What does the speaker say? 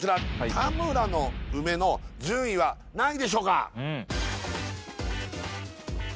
田むらの梅の順位は何位でしょうか